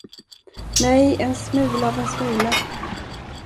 Nej, en smula av en smula.